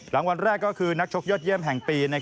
รางวัลแรกก็คือนักชกยอดเยี่ยมแห่งปี